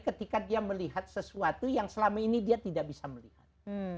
ketika dia melihat sesuatu yang selama ini dia tidak bisa melihat